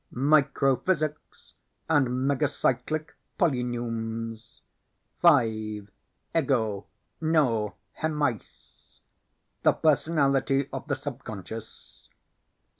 Microphysics and Megacyclic Polyneums. 5. Ego, No, Hemeis the Personality of the Subconscious.